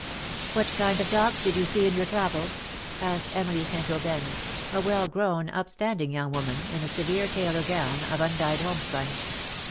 ^^ "What kind of dogs did you see in your travels?" asked Emily St. Aubyn, a well grown up standing young woman, in a severe tailor gown of undyed homespun.